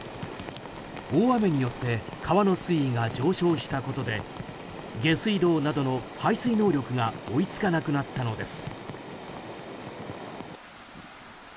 大雨によって川の水位が上昇したことで下水道などの排水能力が追い付かなくなったのです。